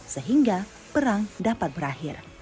sehingga perang dapat berakhir